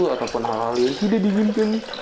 ataupun hal hal yang sudah diiminkan